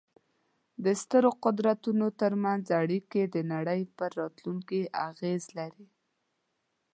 د سترو قدرتونو ترمنځ اړیکې د نړۍ پر راتلونکې اغېز لري.